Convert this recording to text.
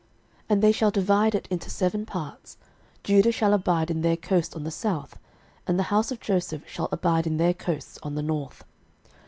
06:018:005 And they shall divide it into seven parts: Judah shall abide in their coast on the south, and the house of Joseph shall abide in their coasts on the north.